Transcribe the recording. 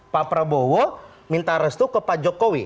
pak prabowo minta restu ke pak jokowi